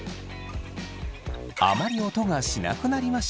あまり音がしなくなりました。